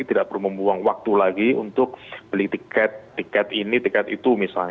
tidak perlu membuang waktu lagi untuk beli tiket tiket ini tiket itu misalnya